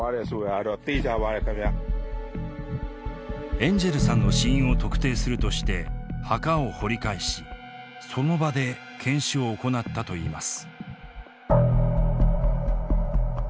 エンジェルさんの死因を特定するとして墓を掘り返しその場で検視を行ったといいます。